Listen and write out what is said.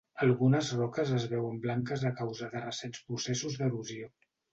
Algunes roques es veuen blanques a causa de recents processos d'erosió.